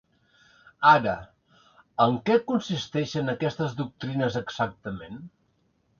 Ara, en què consisteixen aquestes doctrines exactament?